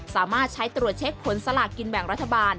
สามารถใช้ตรวจเช็คผลสลากินแบ่งรัฐบาล